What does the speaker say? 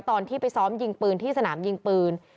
ตอนที่ไปซ้อมยิงปืนที่สนามยิงปืน